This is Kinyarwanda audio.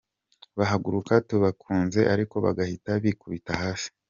Bahaguruka tubakunze ariko bagahita bikubita hasi